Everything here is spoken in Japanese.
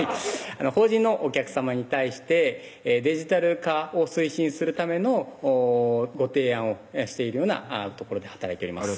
法人のお客さまに対してデジタル化を推進するためのご提案をしているような所で働いております